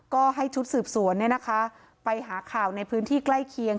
ก็ให้ชุดสืบสวนไปหาข่าวในพื้นที่ใกล้เคียง